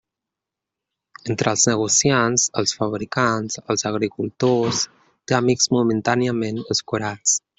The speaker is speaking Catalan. Entre els negociants, els fabricants, els agricultors, té amics momentàniament escurats.